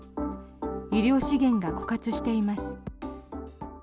医療資源が枯渇しています。